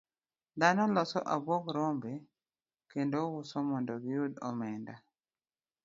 Dhano loso abuog rombe kendo uso mondo giyud omenda.